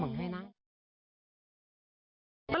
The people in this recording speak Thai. หอมมั้งให้น้ำ